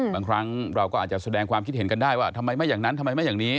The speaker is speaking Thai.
บางครั้งเราก็อาจจะแสดงความคิดเห็นกันได้ว่าทำไมไม่อย่างนั้นทำไมไม่อย่างนี้